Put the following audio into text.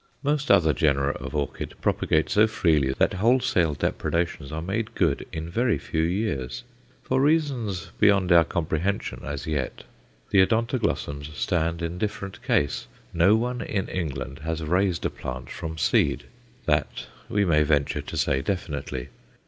Most other genera of orchid propagate so freely that wholesale depredations are made good in very few years. For reasons beyond our comprehension as yet, the Odontoglossum stands in different case. No one in England has raised a plant from seed that we may venture to say definitely.